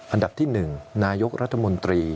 อันดับที่๑นายกรัฐมนตรี